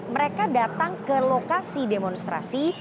mereka datang ke lokasi demonstrasi